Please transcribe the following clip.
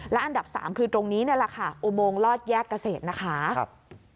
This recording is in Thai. และอันดับสามคือตรงนี้นี่แหละค่ะอุโมงลอดแยกเกษตรนะคะ